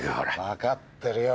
分かってるよ。